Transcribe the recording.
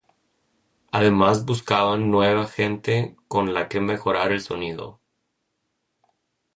Además buscan nueva gente con la que mejorar el sonido.